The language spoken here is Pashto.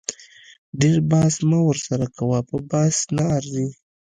ډیر بحث مه ورسره کوه په بحث نه ارزي